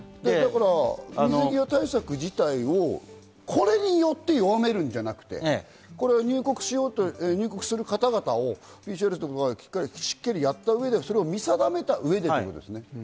水際対策自体をこれによって弱めるんじゃなくて、入国しよう、入国する方々をＰＣＲをしっかりやった上で見定めた上でということですね。